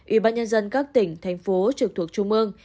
ubnd các tỉnh thành phố trực thuộc trung ương